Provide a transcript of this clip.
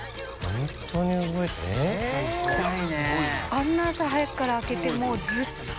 あんな朝早くから開けてもうずっと。